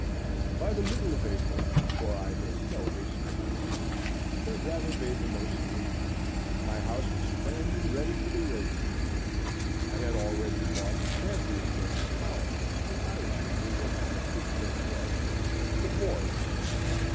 By the middle of April, for I made no haste in my work, but rather made the most of it, my house was framed and ready for the raising. I had already bought the shanty of James Collins, an Irishman who worked on the Fitchburg Railroad, for boards.